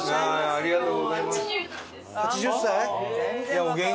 ありがとうございます。